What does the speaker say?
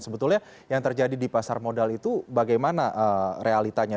sebetulnya yang terjadi di pasar modal itu bagaimana realitanya